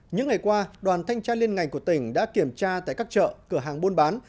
những ngày qua đoàn thanh tra liên ngành của tỉnh đã kiểm tra tại các chợ cửa hàng buôn bán